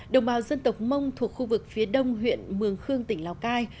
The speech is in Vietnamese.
đồng bào dân tộc mông thuộc khu vực phía đông huyện mường khương tỉnh lào cai